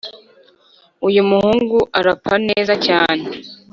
uyu muhungu arapa neza cyane